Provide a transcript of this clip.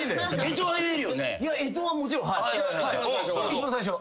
一番最初。